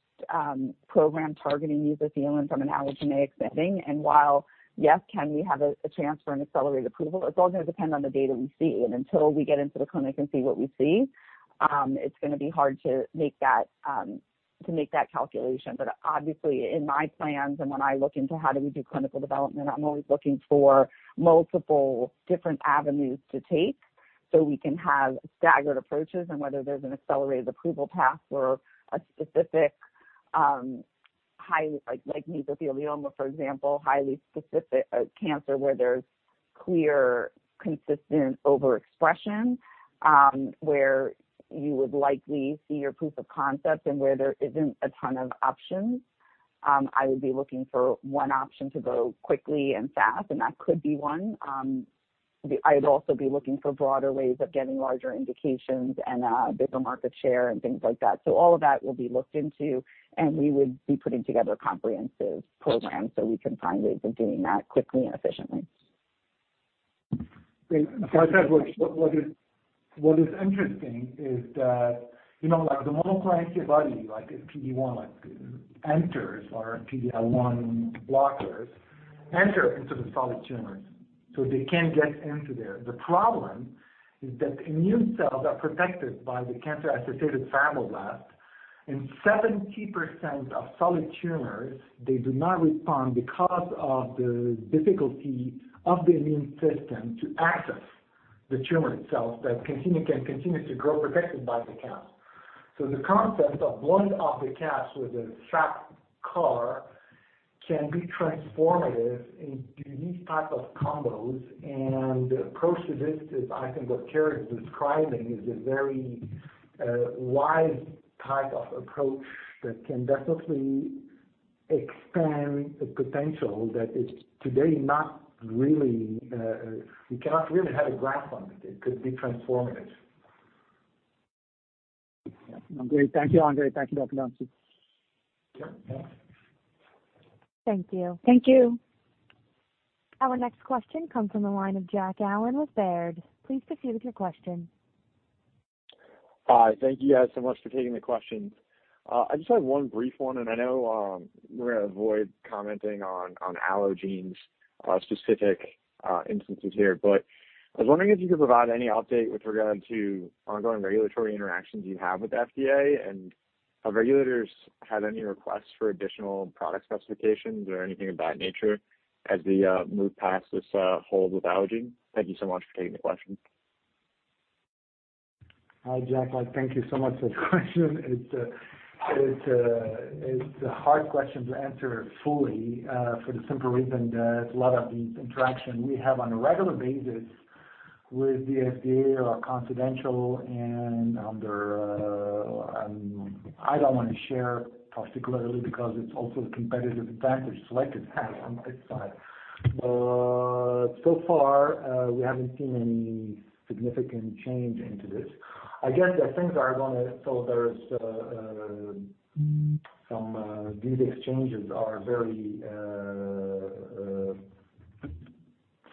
program targeting Mesothelin from an allogeneic setting. While, yes, can we have a chance for an accelerated approval, it's all going to depend on the data we see. Until we get into the clinic and see what we see, it's going to be hard to make that calculation. Obviously in my plans and when I look into how do we do clinical development, I'm always looking for multiple different avenues to take so we can have staggered approaches and whether there's an accelerated approval path for a specific, high. Like Mesothelioma, for example, highly specific cancer where there's clear, consistent overexpression, where you would likely see your proof of concept and where there isn't a ton of options. I would be looking for one option to go quickly and fast, and that could be one. I would also be looking for broader ways of getting larger indications and bigger market share and things like that. All of that will be looked into, and we would be putting together a comprehensive program so we can find ways of doing that quickly and efficiently. Great. As I said, what is interesting is that, you know, like the monoclonal antibody, like PD-1 enters our PD-L1 blockers, enter into the solid tumors, so they can get into there. The problem is that immune cells are protected by the cancer-associated fibroblasts. In 70% of solid tumors, they do not respond because of the difficulty of the immune system to access the tumor itself that continues to grow protected by the CAF. The concept of blowing up the CAF with a CHOP CAR can be transformative in these type of combos and approaches. This is I think what Carrie is describing is a very, wise type of approach that can definitely expand the potential that is today not really, we cannot really have a grasp on it. It could be transformative. Yeah. Great. Thank you, André. Thank you, Dr. Brownstein. Yeah. Thank you. Thank you. Our next question comes from the line of Jack Allen with Baird. Please proceed with your question. Hi. Thank you guys so much for taking the questions. I just have one brief one, and I know we're going to avoid commenting on Allogene's specific instances here. I was wondering if you could provide any update with regard to ongoing regulatory interactions you have with the FDA and have regulators had any requests for additional product specifications or anything of that nature as we move past this hold with Allogene. Thank you so much for taking the question. Hi, Jack. Thank you so much for the question. It's a hard question to answer fully for the simple reason that a lot of the interaction we have on a regular basis with the FDA are confidential and under. I don't want to share particularly because it's also a competitive advantage Cellectis has on its side. So far, we haven't seen any significant change into this. These exchanges are very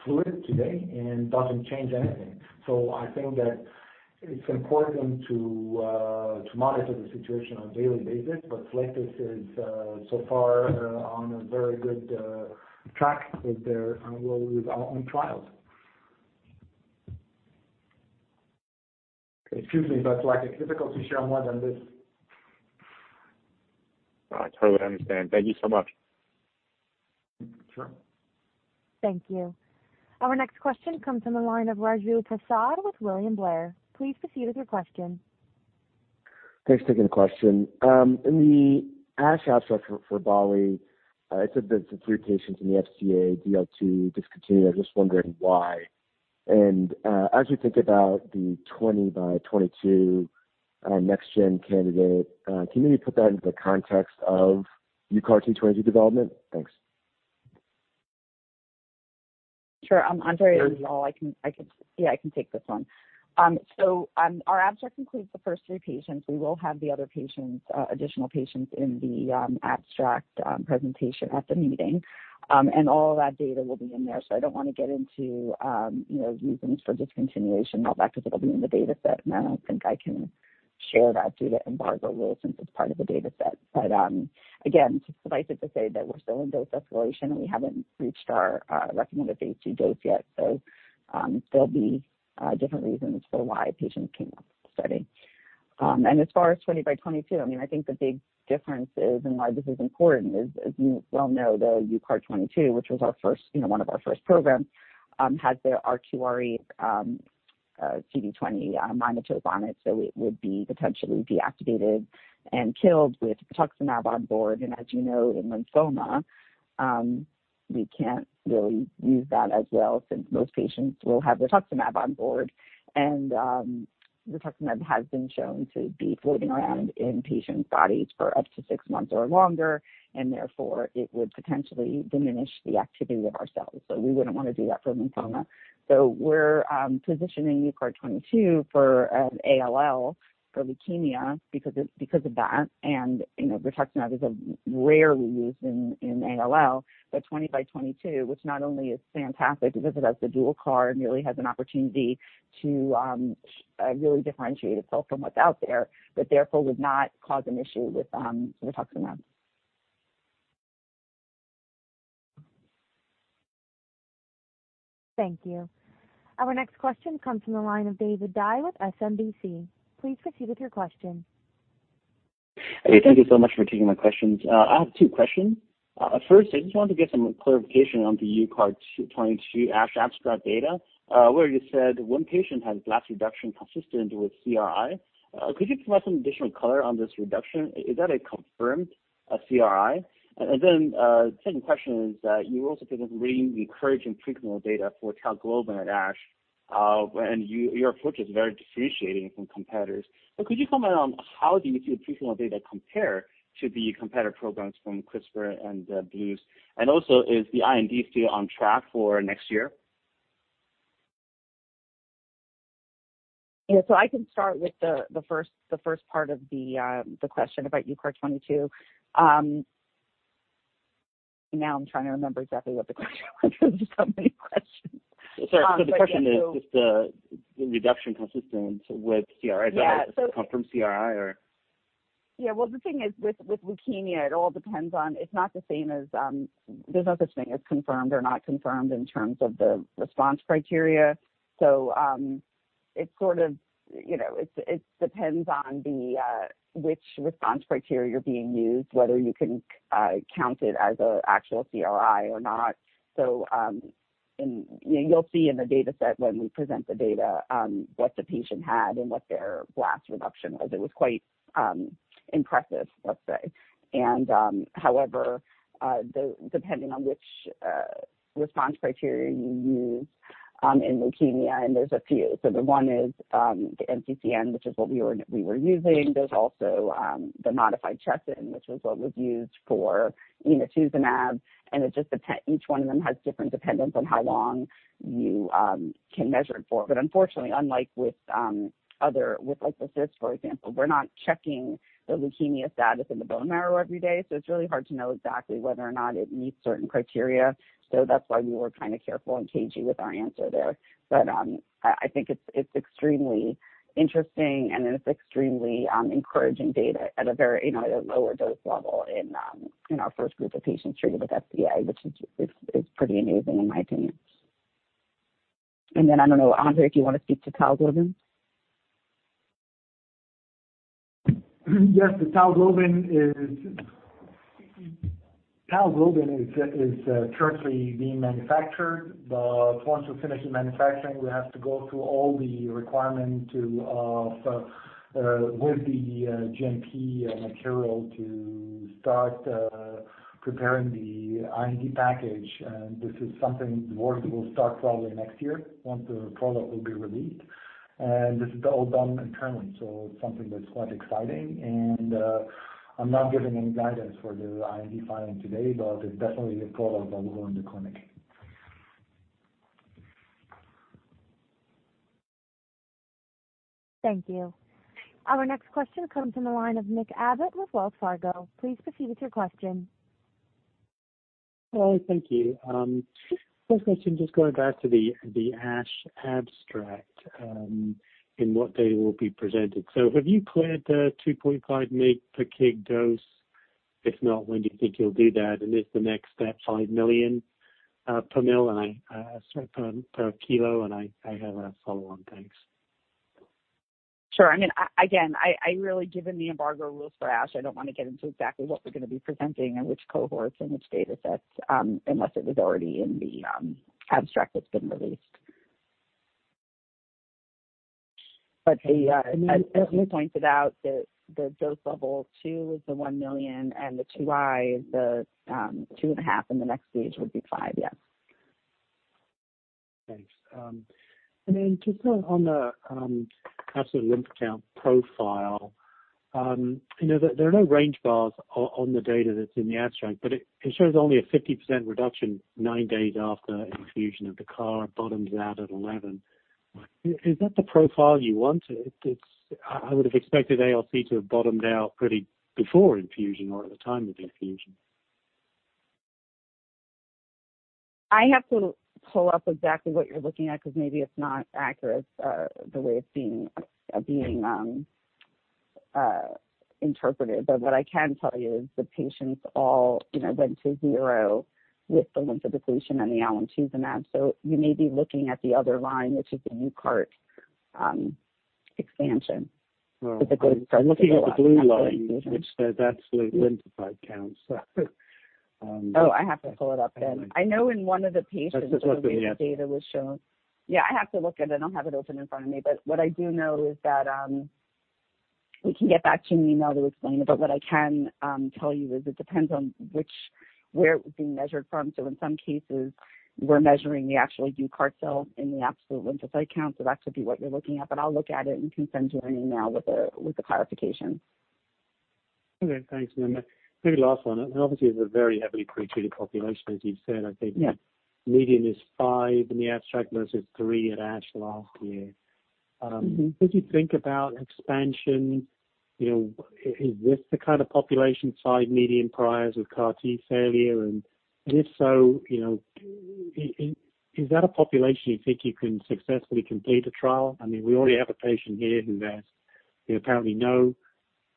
fluid today and doesn't change anything. So I think that it's important to monitor the situation on a daily basis. Cellectis is so far on a very good track with their, well, with our own trials. Excuse me, but like it's difficult to share more than this. I totally understand. Thank you so much. Sure. Thank you. Our next question comes from the line of Raju Prasad with William Blair. Please proceed with your question. Thanks. Taking the question. In the ASH abstract for BALLI, it said that the three patients in the FCA DL2 discontinued. I'm just wondering why. As you think about the 20x22 next-gen candidate, can you put that into the context of UCART22 development? Thanks. Sure. André and, [inaudible] I can take this one. Our abstract includes the first three patients. We will have the other patients, additional patients in the abstract presentation at the meeting. All of that data will be in there. I don't want to get into, you know, reasons for discontinuation and all that because it'll be in the dataset, and I don't think I can share that due to embargo rules since it's part of the dataset. Again, suffice it to say that we're still in dose escalation, and we haven't reached our recommended phase II dose yet. There'll be different reasons for why patients came off the study. As far as 20x22, I mean, I think the big difference is and why this is important is, as you well know, the UCART22, which was our first, you know, one of our first programs, has the RQR8, CD20 mimotope on it. So it would be potentially deactivated and killed with rituximab on board. As you know, in lymphoma, we can't really use that as well since most patients will have rituximab on board. Rituximab has been shown to be floating around in patients' bodies for up to six months or longer, and therefore it would potentially diminish the activity of our cells. We're positioning UCART22 for ALL, for leukemia because of that. You know, rituximab is rarely used in ALL. UCART20x22, which not only is fantastic because it has the dual CAR and really has an opportunity to really differentiate itself from what's out there, but therefore would not cause an issue with rituximab. Thank you. Our next question comes from the line of David Dai with SMBC. Please proceed with your question. Hey, thank you so much for taking my questions. I have two questions. First, I just wanted to get some clarification on the UCART22 ASH abstract data, where you said one patient had blast reduction consistent with CRI. Could you provide some additional color on this reduction? Is that a confirmed CRI? Second question is that you also presented really encouraging preclinical data for TALGlobin at ASH. Your approach is very differentiating from competitors. Could you comment on how you see the preclinical data compare to the competitor programs from CRISPR and bluebird bio? Also, is the IND still on track for next year? I can start with the first part of the question about UCART22. Now I'm trying to remember exactly what the question was because there's so many questions. Sorry. The question is just, the reduction consistent with CRI. Yeah. Confirmed CRI, or? Yeah. Well, the thing is with leukemia, it all depends on. It's not the same as. There's no such thing as confirmed or not confirmed in terms of the response criteria. It's sort of, you know, it depends on which response criteria being used, whether you can count it as an actual CRI or not. And you'll see in the data set when we present the data, what the patient had and what their blast reduction was. It was quite impressive, let's say. However, depending on which response criteria you use in leukemia, and there's a few. The one is the NCCN, which is what we were using. There's also the modified Cheson, which was what was used for inotuzumab, and it just depends, each one of them has different dependence on how long you can measure it for. Unfortunately, unlike with other, like the CIS, for example, we're not checking the leukemia status in the bone marrow every day, so it's really hard to know exactly whether or not it meets certain criteria. That's why we were kind of careful and cagey with our answer there. I think it's extremely interesting, and it's extremely encouraging data at a very, you know, lower dose level in our first group of patients treated with SGI, which is pretty amazing in my opinion. Then, I don't know, André, do you want to speak to TALGlobin? Yes. The TALGlobin is currently being manufactured, but once we finish the manufacturing, we have to go through all the requirement with the GMP material to start preparing the IND package. This is something the work will start probably next year once the product will be released. This is all done internally, so it's something that's quite exciting. I'm not giving any guidance for the IND filing today, but it's definitely a product that will go in the clinic. Thank you. Our next question comes from the line of Nick Abbott with Wells Fargo. Please proceed with your question. Hello. Thank you. First question, just going back to the ASH abstract and what data will be presented. Have you cleared the 2.5 mg per kg dose? If not, when do you think you'll do that? Is the next step 5 mg per kg? I have a follow-on. Thanks. Sure. I mean, again, I really given the embargo rules for ASH, I don't want to get into exactly what we're going to be presenting and which cohorts and which datasets, unless it was already in the abstract that's been released. As you pointed out, the dose level two is the 1 million, and the DL2 is the 2.5, and the next stage would be five. Yeah. Just on the absolute lymphocyte count profile, you know, there are no range bars on the data that's in the abstract, but it shows only a 50% reduction nine days after infusion of the CAR, bottoms out at 11. Is that the profile you want? I would have expected ALC to have bottomed out pretty before infusion or at the time of infusion. I have to pull up exactly what you're looking at because maybe it's not accurate the way it's being interpreted. What I can tell you is the patients all, you know, went to zero with the lymphodepletion and the alemtuzumab. You may be looking at the other line, which is the UCART expansion. Oh. I'm looking at the blue line which says absolute lymphocyte counts. Oh, I have to pull it up then. I know in one of the patients. That's just what the. The data was shown. Yeah, I have to look at it. I don't have it open in front of me. What I do know is that we can get back to you in an email to explain it. What I can tell you is it depends on where it was being measured from. In some cases, we're measuring the actual UCART cell in the absolute lymphocyte count, so that could be what you're looking at. I'll look at it and can send you an email with the clarification. Okay. Thanks, and maybe last one, and obviously it's a very heavily pretreated population, as you've said. I think. Yeah. Median is five in the abstract versus three at ASH last year. Mm-hmm. As you think about expansion, you know, is this the kind of population, five median priors with CAR T failure? And if so, you know, is that a population you think you can successfully complete a trial? I mean, we already have a patient here who has apparently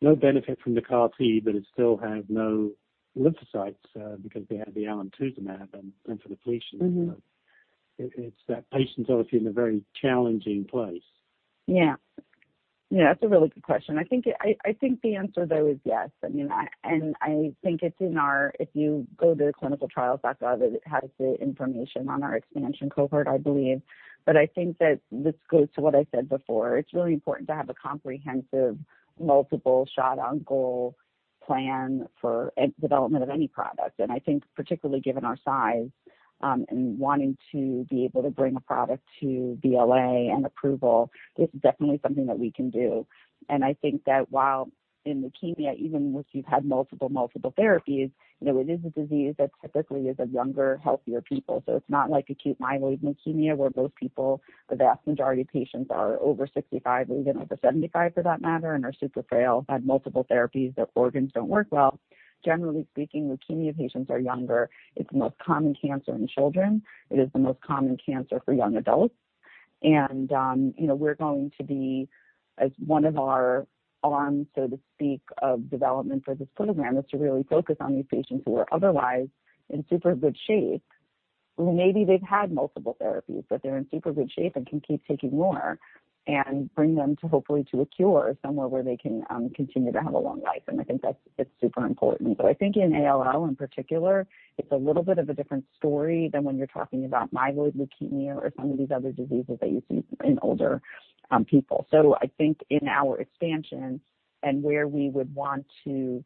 no benefit from the CAR T, but it still had no lymphocytes, because they had the alemtuzumab and lymphodepletion. Mm-hmm. It's that patient is obviously in a very challenging place. Yeah. Yeah, that's a really good question. I think the answer there is yes. I mean, I think it's in our, if you go to clinicaltrials.gov, it has the information on our expansion cohort, I believe. I think that this goes to what I said before. It's really important to have a comprehensive multiple shot on goal plan for development of any product. I think particularly given our size, and wanting to be able to bring a product to BLA and approval, this is definitely something that we can do. I think that while in leukemia, even once you've had multiple therapies, you know, it is a disease that typically is of younger, healthier people. It's not like acute myeloid leukemia, where those people, the vast majority of patients are over 65, even over 75 for that matter, and are super frail, had multiple therapies, their organs don't work well. Generally speaking, leukemia patients are younger. It's the most common cancer in children. It is the most common cancer for young adults. You know, we're going to be as one of our arms, so to speak, of development for this program, is to really focus on these patients who are otherwise in super good shape, who maybe they've had multiple therapies, but they're in super good shape and can keep taking more and bring them to hopefully to a cure somewhere where they can continue to have a long life. I think that's super important. I think in ALL in particular, it's a little bit of a different story than when you're talking about myeloid leukemia or some of these other diseases that you see in older people. I think in our expansion and where we would want to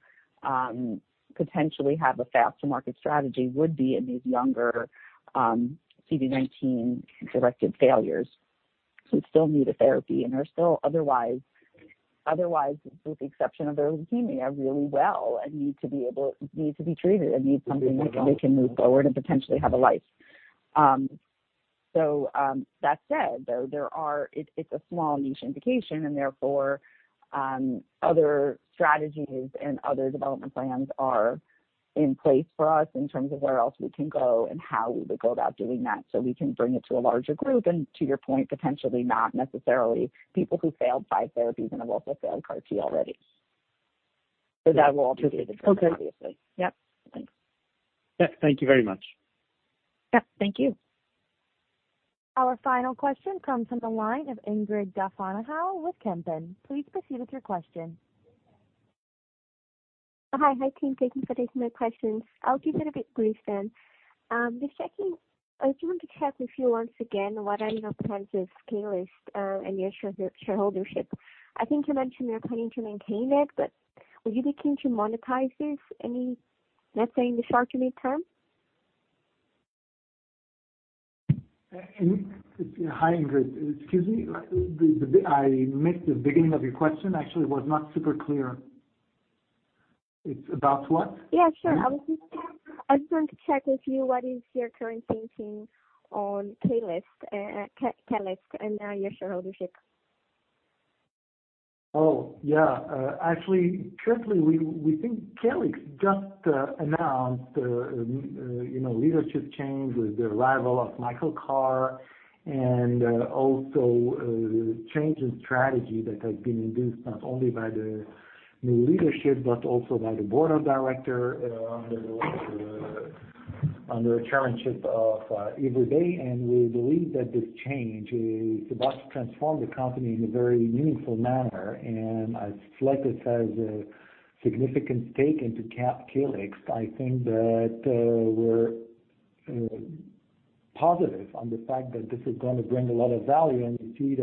potentially have a faster market strategy would be in these younger CD19 directed failures who still need a therapy and are still otherwise, with the exception of their leukemia, really well and need to be treated and need something that they can move forward and potentially have a life. That said, though, there are. It’s a small niche indication and therefore, other strategies and other development plans are in place for us in terms of where else we can go and how we would go about doing that so we can bring it to a larger group. To your point, potentially not necessarily people who failed five therapies and have also failed CAR T already. That will all be obviously. Yep. Thanks. Yeah, thank you very much. Yeah, thank you. Our final question comes from the line of Ingrid Gafanhao with Kempen. Please proceed with your question. Hi. Hi, team. Thank you for taking my questions. I'll keep it a bit brief then. Just checking. I just want to check with you once again, what are your plans with Calyxt and your shareholdership? I think you mentioned you're planning to maintain it, but would you be keen to monetize this any, let's say, in the short to mid term? Hi, Ingrid. Excuse me. I missed the beginning of your question. Actually, it was not super clear. It's about what? Yeah, sure. I just want to check with you what is your current thinking on Calyxt and your shareholdership. Oh, yeah. Actually, currently, we think Calyxt just announced, you know, leadership change with the arrival of Michael Carr and also change in strategy that has been induced not only by the new leadership but also by the board of directors under the chairmanship of Yves Ribeill. We believe that this change is about to transform the company in a very meaningful manner. As Cellectis has a significant stake in Calyxt, I think that we're positive on the fact that this is going to bring a lot of value. Indeed,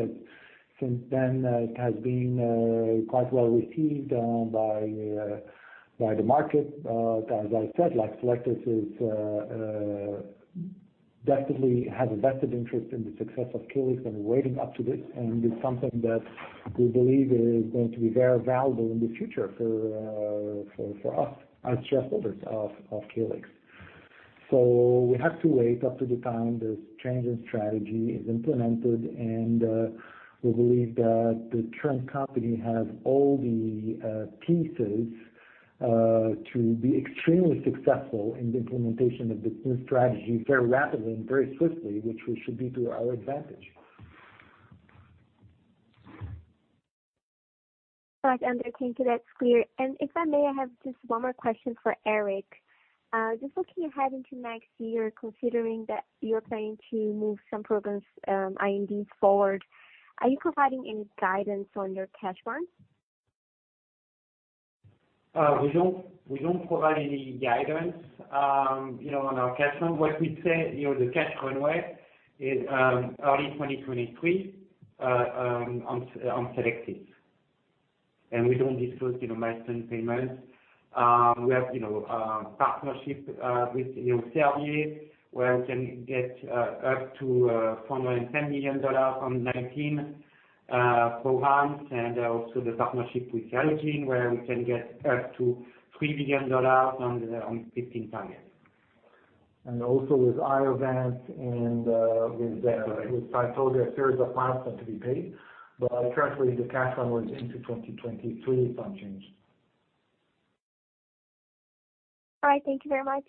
since then, it has been quite well received by the market. As I said, like, Cellectis definitely has a vested interest in the success of Calyxt and looking forward to this. It's something that we believe is going to be very valuable in the future for us as shareholders of Calyxt. We have to wait up to the time this change in strategy is implemented. We believe that the current company has all the pieces to be extremely successful in the implementation of the new strategy very rapidly and very swiftly, which we should be to our advantage. Right. Understood. That's clear. If I may, I have just one more question for Eric. Just looking ahead into next year, considering that you're planning to move some programs, IND forward, are you providing any guidance on your cash burn? We don't provide any guidance, you know, on our cash burn. What we'd say, you know, the cash runway is early 2023 on Cellectis. We don't disclose, you know, milestone payments. We have, you know, partnership with, you know, Servier, where we can get up to $410 million on 19 programs. Also the partnership with, [inaudible] where we can get up to $3 billion on the 15 targets. Also with Iovance and with Cytovia, a series of milestones to be paid. Currently, the cash burn was into 2023 if unchanged. All right. Thank you very much.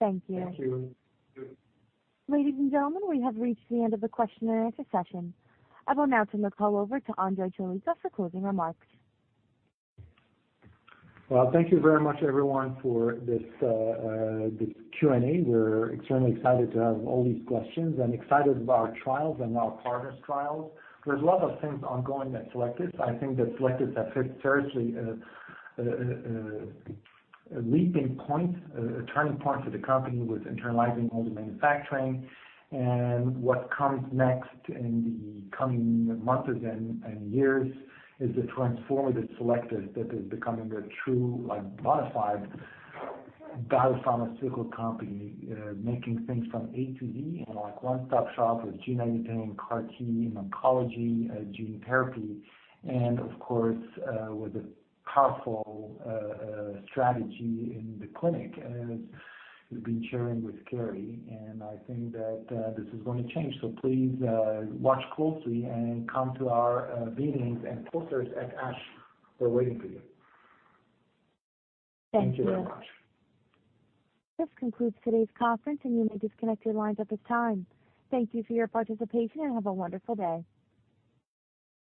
Thank you. Thank you. Ladies and gentlemen, we have reached the end of the question and answer session. I will now turn the call over to André Choulika for closing remarks. Well, thank you very much, everyone, for this Q&A. We're extremely excited to have all these questions and excited about our trials and our partners' trials. There's a lot of things ongoing at Cellectis. I think that Cellectis has hit seriously a leaping point, a turning point for the company with internalizing all the manufacturing. What comes next in the coming months and years is the transformative Cellectis that is becoming a true, like, bona fide biopharmaceutical company, making things from A to Z in a, like, one-stop shop with gene editing, CAR-T, in oncology, gene therapy, and of course, with a powerful strategy in the clinic, as we've been sharing with Carrie. I think that this is going to change. Please watch closely and come to our meetings and posters at ASH. We're waiting for you. Thank you. Thank you very much. This concludes today's conference, and you may disconnect your lines at this time. Thank you for your participation, and have a wonderful day.